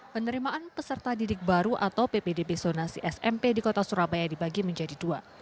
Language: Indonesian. penerimaan peserta didik baru atau ppdb zonasi smp di kota surabaya dibagi menjadi dua